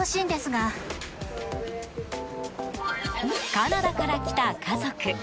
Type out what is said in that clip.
カナダから来た家族。